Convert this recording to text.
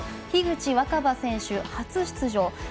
樋口新葉選手、初出場。